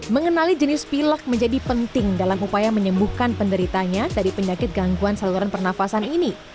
mengenali jenis pilak menjadi penting dalam upaya menyembuhkan penderitanya dari penyakit gangguan saluran pernafasan ini